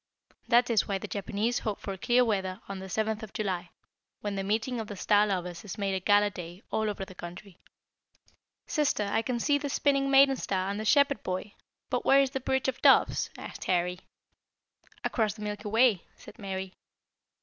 That is why the Japanese hope for clear weather on the 7th of July, when the 'meeting of the star lovers' is made a gala day all over the country." [Illustration: THE EAGLE.] "Sister, I can see the Spinning maiden star, and the Shepherd boy, but where is the bridge of doves?" asked Harry. "Across the Milky Way," said Mary.